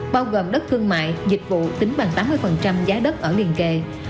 bao gồm đất thương mại dịch vụ tính bằng tám mươi giá đất ở liên kề